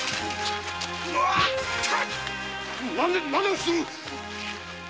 何をする！